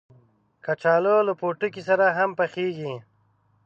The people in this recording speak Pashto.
کچالو له پوټکي سره هم پخېږي